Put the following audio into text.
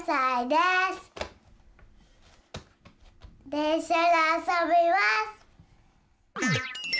でんしゃであそびます！